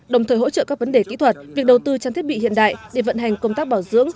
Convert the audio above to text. đồng thời hỗ trợ các vấn đề kỹ thuật việc đầu tư trang thiết bị hiện đại để vận hành công tác bảo dưỡng